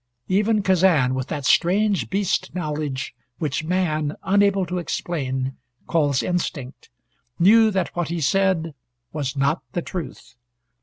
Even Kazan, with that strange beast knowledge which man, unable to explain, calls instinct, knew that what he said was not the truth.